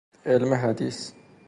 علم حدیث